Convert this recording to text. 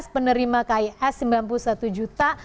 penerima kis sembilan puluh satu juta